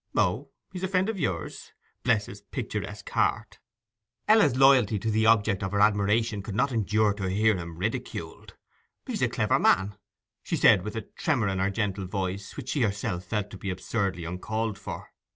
'O, he's a friend of yours? Bless his picturesque heart!' Ella's loyalty to the object of her admiration could not endure to hear him ridiculed. 'He's a clever man!' she said, with a tremor in her gentle voice which she herself felt to be absurdly uncalled for.